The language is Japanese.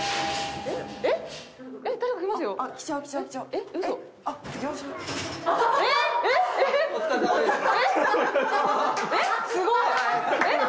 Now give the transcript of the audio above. えっすごっ！